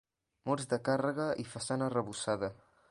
Murs de càrrega i façana arrebossada.